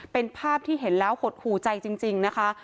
เป็นภาพที่เห็นแล้วหดหูใจจริงนะคะ